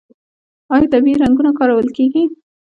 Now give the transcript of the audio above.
آیا طبیعي رنګونه کارول کیږي؟